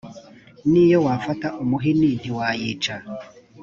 niyo wafata umuhini ntiwayica